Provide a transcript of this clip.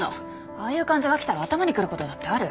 ああいう患者が来たら頭にくることだってある。